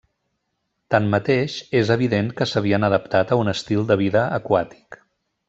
Tanmateix, és evident que s'havien adaptat a un estil de vida aquàtic.